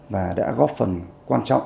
và đã góp phần quan trọng